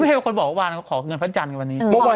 พระเภพคนบอกวันนี้เขาขอเงินพระจันทร์กันวันนี้ขอเงินพระจันทร์